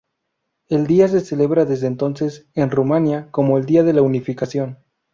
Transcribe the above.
El día se celebra desde entonces en Rumania como el día de la unificación.